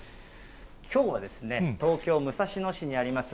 きょうはですね、東京・武蔵野市にあります